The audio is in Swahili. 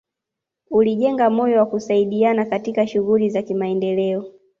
Ulijenga moyo wa kusaidiana katika shughuli za kimaendeleo